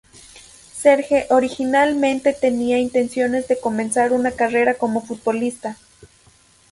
Serge originalmente tenía intenciones de comenzar una carrera como futbolista.